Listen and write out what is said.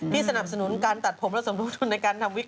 สนับสนุนการตัดผมและสมทบทุนในการทำวิก